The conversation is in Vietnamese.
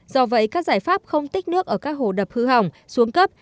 do vậy các giải pháp không tích nước ở các hồ đập hư hỏng xuống cấp